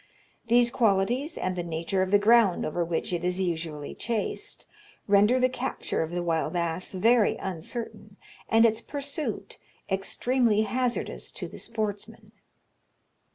These qualities, and the nature of the ground over which it is usually chased, render the capture of the wild ass very uncertain, and its pursuit extremely hazardous to the sportsman.